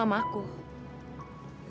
aku mau ke rumah